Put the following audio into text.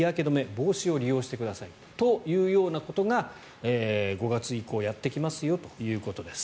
帽子を利用してくださいというようなことが５月以降やってきますよということです。